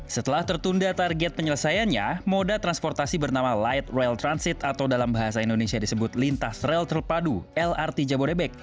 setelah tertunda target penyelesaiannya moda transportasi bernama light rail transit atau dalam bahasa indonesia disebut lintas rel terpadu lrt jabodebek